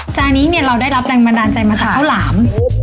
จานนี้เนี่ยเราได้รับแรงบันดาลใจมาจากข้าวหลาม